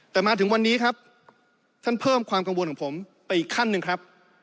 แต่มาถึงวันนี้ครับท่านเพิ่มความกังวลของผมไปอีกขั้นหนึ่งครับ